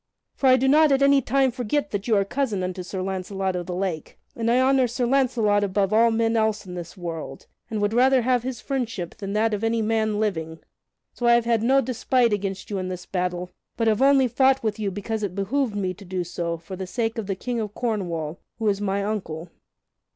For I do not at any time forget that you are cousin unto Sir Launcelot of the Lake, and I honor Sir Launcelot above all men else in the world, and would rather have his friendship than that of any man living. So I have had no despite against you in this battle, but have only fought with you because it behooved me to do so for the sake of the King of Cornwall, who is my uncle."